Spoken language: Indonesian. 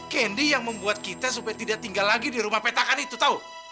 kendi yang membuat kita supaya tidak tinggal lagi di rumah petakan itu tahu